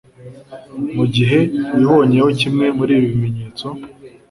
Mu gihe wibonyeho kimwe muri ibi bimenyetso